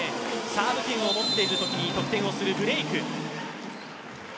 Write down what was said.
サーブ権を持っているときに得点をするブレイク。